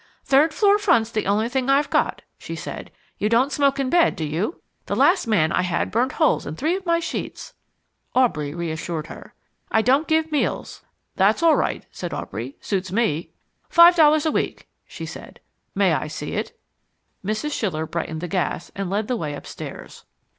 "Third floor front's the only thing I've got," she said. "You don't smoke in bed, do you? The last young man I had burned holes in three of my sheets " Aubrey reassured her. "I don't give meals." "That's all right," said Aubrey. "Suits me." "Five dollars a week," she said. "May I see it?" Mrs. Schiller brightened the gas and led the way upstairs.